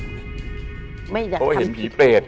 ไม่อยากทำผีเทียง